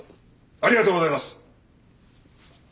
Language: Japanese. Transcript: ありがとうございます！